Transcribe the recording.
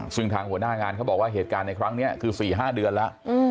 ซึ่งทางหัวหน้างานเขาบอกว่าเหตุการณ์ในครั้งนี้คือ๔๕เดือนแล้ว